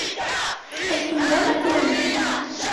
Ә һин нәмә теләнең?